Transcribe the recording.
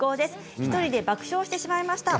１人で爆笑してしまいました。